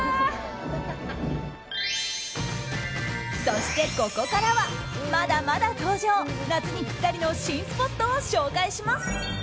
そしてここからはまだまだ登場夏にぴったりの新スポットを紹介します。